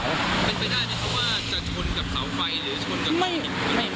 ไม่ไม่งั้น